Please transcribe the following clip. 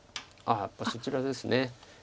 やっぱりそちらですね。